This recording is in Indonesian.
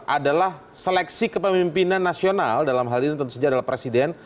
adalah seleksi kepemimpinan nasional dalam hal ini tentu saja adalah presiden